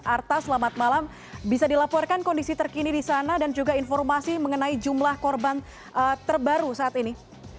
arta selamat malam bisa dilaporkan kondisi terkini di sana dan juga informasi mengenai jumlah korban terbaru saat ini